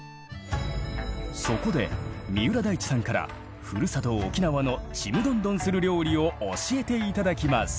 そこで三浦大知さんからふるさと沖縄のちむどんどんする料理を教えて頂きます！